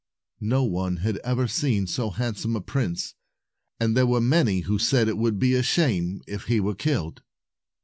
No one had ever seen so handsome a prince, and there were many who said it would be a shame if he were killed.